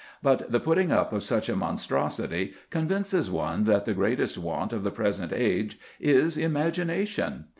But the putting up of such a monstrosity convinces one that the greatest want of the present age is imagination.